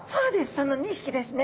その２匹ですね。